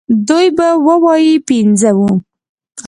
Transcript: دوی به ووايي پنځه وو.